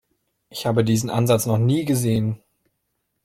Ich habe diesen Ansatz noch nie gesehen.